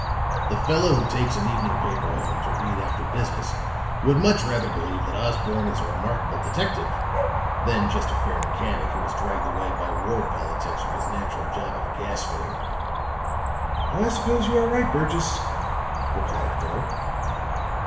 The fellow who takes an evening paper home to read after business would much rather believe that Osborne is a remarkable detective than just a fair mechanic who was dragged away, by ward politics, from his natural job of gas fitting." "I suppose you are right, Burgess," replied Fuller.